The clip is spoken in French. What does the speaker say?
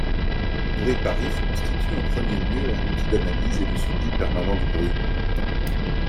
Bruitparif constitue en premier lieu un outil d’analyse et de suivi permanent du bruit.